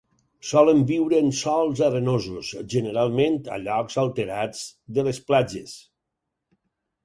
Solen viure en sòls arenosos, generalment a llocs alterats de les platges.